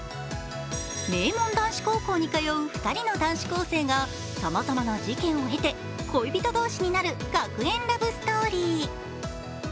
名門男子高校に通う２人の男子校性がさまざまな事件を経て恋人同士になる学園ラブストーリー。